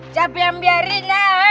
siapa yang biarin